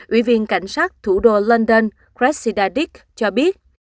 ủy viên cảnh sát thủ đô london cressida dick cho biết